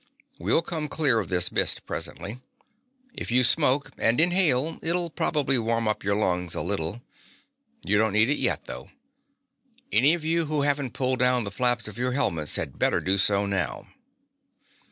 We'll come clear of this mist presently. If you smoke, and inhale, it'll probably warm up your lungs a little. You don't need it yet, though. Any of you who haven't pulled down the flaps of your helmets had better do so now."